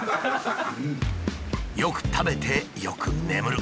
よく食べてよく眠る。